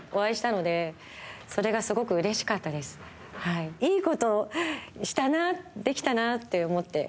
いいことをしたなできたなって思ってます。